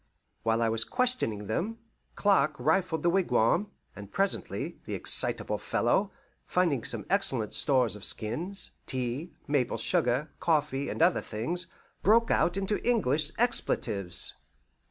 While I was questioning them, Clark rifled the wigwam; and presently, the excitable fellow, finding some excellent stores of skins, tea, maple sugar, coffee, and other things, broke out into English expletives.